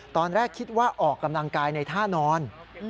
ตอนแรกคิดว่าออกกำลังกายในท่านอน